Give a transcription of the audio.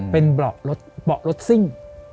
เป็นเบาะรถซิ่ง